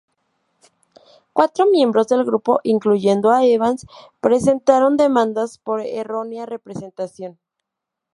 Cuatro miembros del grupo, incluyendo a Evans, presentaron demandas por errónea representación.